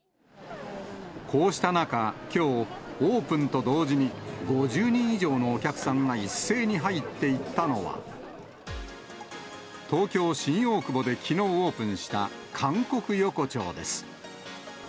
こうした中、きょう、オープンと同時に、５０人以上のお客さんが一斉に入っていったのは、東京・新大久保できのうオープンした、韓国横丁です。